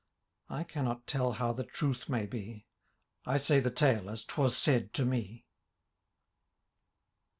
I cannot tell how the truth may be ; I say the tale as *twas said to me.